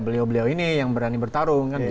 beliau beliau ini yang berani bertarung